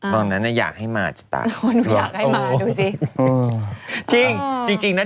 ตรงนั้นอยากให้มาโอ้ดูสิจริง